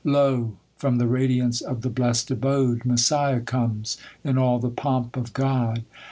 Lo, from the radiance of the blest abode Messiah comes, in all the pomp of God